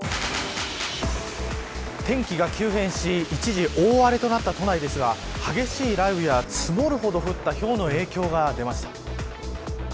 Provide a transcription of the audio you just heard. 天気が急変し一時大荒れとなった都内ですが激しい雷雨や積もるほど降ったひょうの影響が出ました。